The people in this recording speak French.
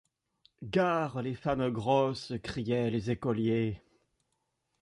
Gare les femmes grosses! criaient les écoliers.